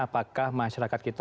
apakah masyarakat kita